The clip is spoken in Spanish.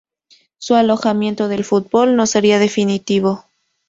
Su alejamiento del fútbol no sería definitivo.